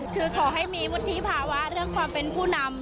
คือขอให้มีวุฒิภาวะเรื่องความเป็นผู้นำ